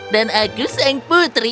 dan aku sang putri